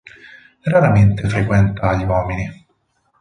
Raramente frequenta gli uomini.